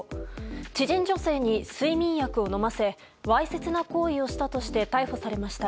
知人女性に睡眠薬を飲ませわいせつな行為をしたとして逮捕されました。